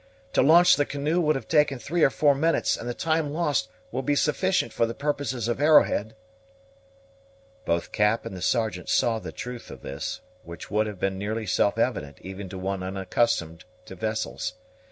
To launch the canoe would have taken three or four minutes, and the time lost would be sufficient for the purposes of Arrowhead." Both Cap and the Sergeant saw the truth of this, which would have been nearly self evident even to one unaccustomed to vessels.